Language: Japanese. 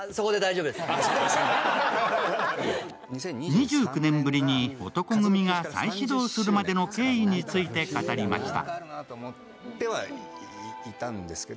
２９年ぶりに男闘呼組が再始動するまでの経緯について語りました。